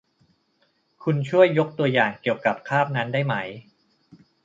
คุณช่วยยกตัวอย่างเกี่ยวกับคาบนั้นได้ไหม